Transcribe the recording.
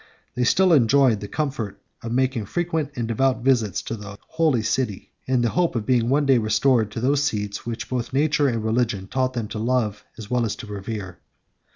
19 They still enjoyed the comfort of making frequent and devout visits to the Holy City, and the hope of being one day restored to those seats which both nature and religion taught them to love as well as to revere.